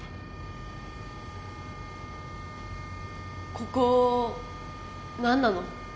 ここ何なの？